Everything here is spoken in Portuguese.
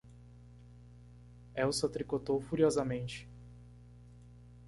Elsa tricotou furiosamente.